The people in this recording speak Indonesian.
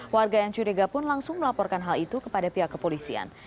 warga yang curiga pun langsung melaporkan hal itu kepada pihak kepolisian